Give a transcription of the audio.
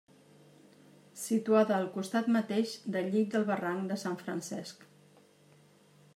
Situada al costat mateix del llit del barranc de Sant Francesc.